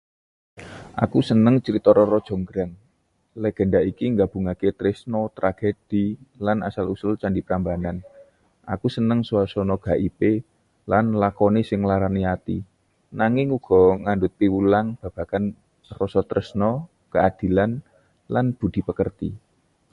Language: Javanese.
Aku seneng crita Roro Jonggrang. Legenda iki nggabungaké tresna, tragedi, lan asal-usul Candi Prambanan. Aku seneng suasana gaibé lan lakoné sing nglarani ati, nanging uga ngandhut piwulang babagan rasa tresna, kaadilan, lan budi pekerti.